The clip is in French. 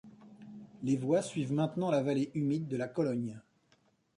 Les voies suivent maintenant la vallée humide de la Cologne.